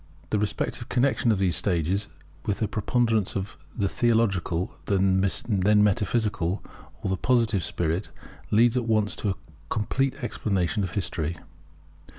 The respective connexion of these states with the preponderance of the theological, then metaphysical, or the positive spirit leads at once to a complete explanation of history.